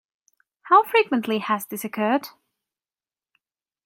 How frequently has this occurred?